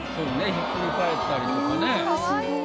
ひっくり返ったりとかね。